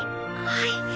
はい。